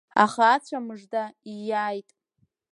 Аха ацәа мыжда ииааит.